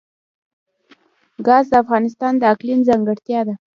ګاز د افغانستان د اقلیم ځانګړتیا ده.